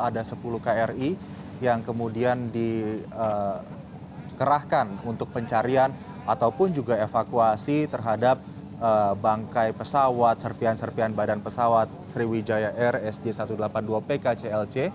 ada sepuluh kri yang kemudian dikerahkan untuk pencarian ataupun juga evakuasi terhadap bangkai pesawat serpian serpian badan pesawat sriwijaya air sj satu ratus delapan puluh dua pk clc